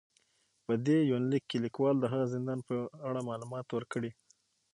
په دې يونليک کې ليکوال د هغه زندان په اړه معلومات ور کړي